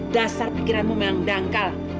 dasar pikiranmu memang dangkal